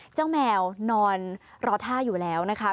แมวนอนรอท่าอยู่แล้วนะคะ